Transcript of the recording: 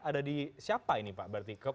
ada di siapa ini pak berarti